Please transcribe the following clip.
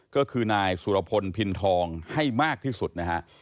ก็คือนายสุรพลพินทองให้มากที่สุดนะฮะ